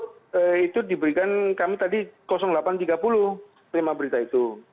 itu diberikan kami tadi delapan tiga puluh terima berita itu